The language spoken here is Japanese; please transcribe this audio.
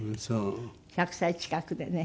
１００歳近くでね。